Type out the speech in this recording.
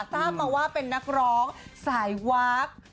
ทราบมาว่าเป็นนักร้องสายวาค